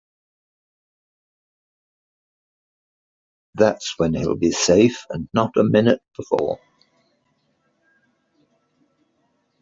That's when he'll be safe and not a minute before.